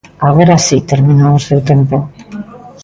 Agora si terminou o seu tempo.